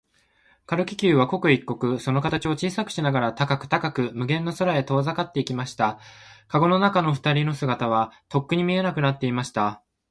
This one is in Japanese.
軽気球は、刻一刻、その形を小さくしながら、高く高く、無限の空へと遠ざかっていきました。かごの中のふたりの姿は、とっくに見えなくなっていました。